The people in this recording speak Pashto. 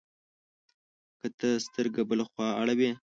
که ته سترګه بله خوا اړوې،